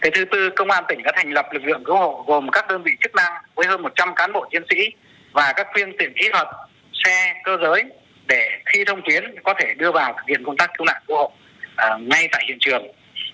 thứ tư công an tỉnh đã thành lập lực lượng cứu hộ gồm các đơn vị chức năng với hơn một trăm linh cán bộ chiến sĩ và các phương tiện kỹ thuật xe cơ giới để khi thông tuyến có thể đưa vào thực hiện công tác cứu nạn cứu hộ ngay tại hiện trường